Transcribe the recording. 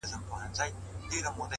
• سیاه پوسي ده ـ ماسوم یې ژاړي ـ